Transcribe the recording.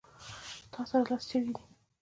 تاسره لس چرګې دي